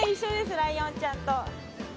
ライオンちゃんと。